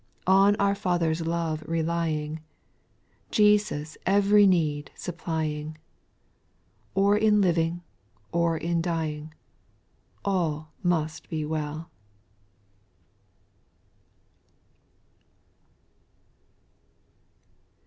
On our Father's love relying, Jesus ev'ry need supplying, Or in living or in dying. All must be well.